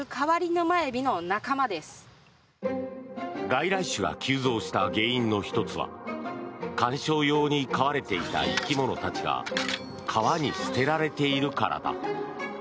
外来種が急増した原因の１つは観賞用に飼われていた生き物たちが川に捨てられているからだ。